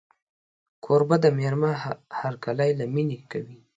کوربه د مېلمه هرکلی له مینې کوي.